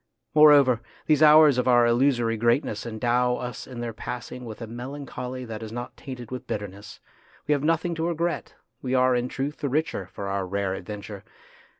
Moreover, these hours of our illusory great ness endow us in their passing with a melan choly that is not tainted with bitterness. We have nothing to regret ; we are in truth the richer for our rare adventure.